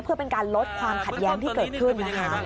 เพื่อเป็นการลดความขัดแย้งที่เกิดขึ้นนะคะ